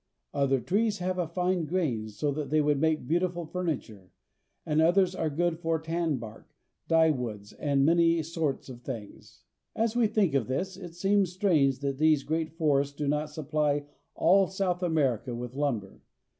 Other trees have a fine grain, so that they would make beautiful furniture, and others are good for tan bark, dyewoods, and many sorts of things. As we think of this, it seems strange that these great forests do not supply all South America with lumber.